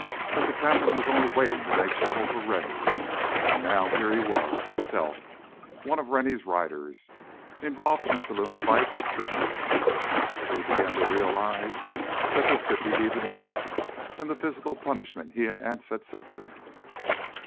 That the captain was only waiting to make trouble for Rennie. And now here he was himself—one of Rennie's riders—involved in a saloon fight with troopers. Drew began to realize that this could be even worse than the physical punishment he and Anse had suffered.